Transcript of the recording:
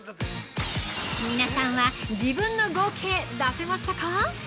◆皆さんは、自分の合計出せましたか？